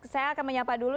saya akan menyapa dulu